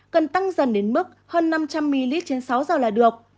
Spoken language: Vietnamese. cần tăng dần đến mức hơn năm trăm linh ml trên sáu giờ là được